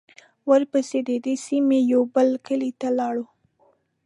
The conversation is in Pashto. ورپسې د دې سیمې یوه بل کلي ته لاړو.